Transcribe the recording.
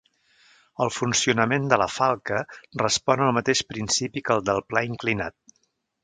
El funcionament de la falca respon al mateix principi que el del pla inclinat.